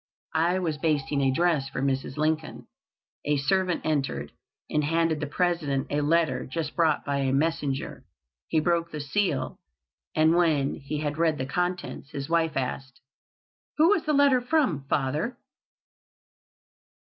I was basting a dress for Mrs. Lincoln. A servant entered, and handed the President a letter just brought by a messenger. He broke the seal, and when he had read the contents his wife asked: "Who is the letter from, father?"